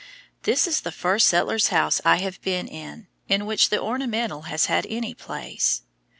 This is the first settler's house I have been in in which the ornamental has had any place.